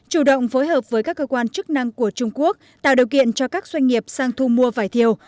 chủ động phối hợp với các cơ quan chức năng của trung quốc tạo điều kiện cho các doanh nghiệp sang thu mua vải thiều